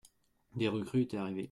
Des recrues étaient arrivées.